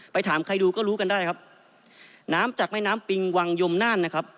ถามใครดูก็รู้กันได้ครับน้ำจากแม่น้ำปิงวังยมน่านนะครับ